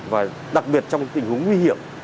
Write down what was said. và đặc biệt trong tình huống nguy hiểm